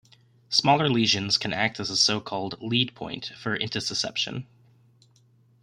Smaller lesions can act as a so-called "lead point" for intussusception.